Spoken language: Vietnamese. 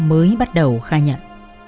mới bắt đầu khai nhận